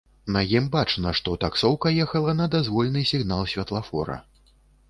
На ім бачна, што таксоўка ехала на дазвольны сігнал святлафора.